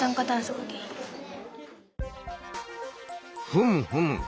ふむふむ。